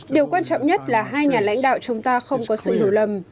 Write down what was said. điều quan trọng nhất là hai nhà lãnh đạo chúng ta không có sự hiểu lầm